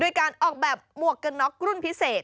การออกแบบหมวกกันน็อกรุ่นพิเศษ